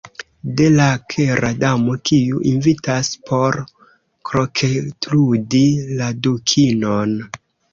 De la Kera Damo, kiu invitas por kroketludi la Dukinon.